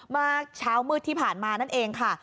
เมื่อเช้ามืดที่ผ่านมานั่นเองค่ะ